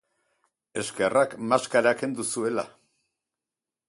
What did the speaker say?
Eskerrak maskara kendu zuela.